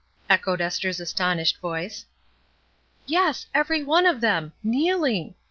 echoed Esther's astonished voice. "Yes, every one of them; kneeling.